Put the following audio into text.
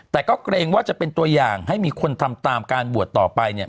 แต่ก็เกรงว่าจะเป็นตัวอย่างให้มีคนทำตามการบวชต่อไปเนี่ย